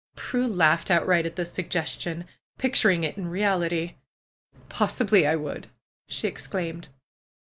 Prue laughed outright at this suggestion, picturing it in reality. "Possibly I would!" she exclaimed.